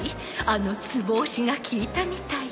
あのツボ押しが効いたみたい